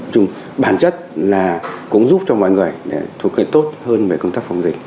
chúng bản chất là cũng giúp cho mọi người thuộc kết tốt hơn về công tác phòng dịch